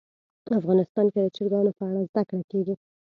افغانستان کې د چرګانو په اړه زده کړه کېږي.